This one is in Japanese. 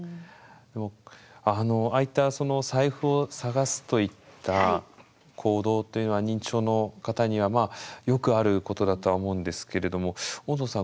ああいった財布を探すといった行動というのは認知症の方にはよくあることだとは思うんですけれども恩蔵さん